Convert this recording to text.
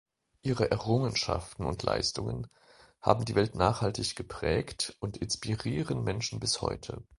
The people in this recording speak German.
Ihre Errungenschaften und Leistungen haben die Welt nachhaltig geprägt und inspirieren Menschen bis heute.